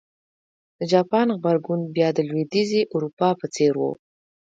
د جاپان غبرګون بیا د لوېدیځې اروپا په څېر و.